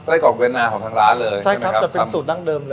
ไส้กรอกเวียนนาของทางร้านเลยใช่ไหมครับใช่ครับจะเป็นสูตรดั้งเดิมเลยครับ